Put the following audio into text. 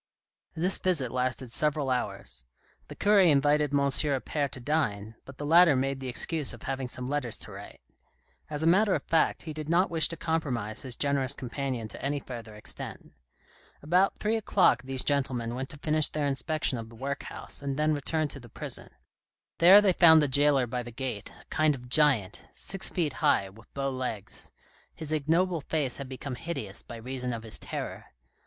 This visit lasted several hours ; the cure invited M. Appert to dine, but the latter made the excuse of having some letters io THE RED AND THE BLACK to write ; as a matter of fact, he did not wish to compromise his generous companion to any further extent. About three o'clock these gentlemen went to finish their inspection of the workhouse and then returned to the prison. There they found the jailer by the gate, a kind of giant, six feet high, with bow legs. His ignoble face had become hideous by reason of his terror.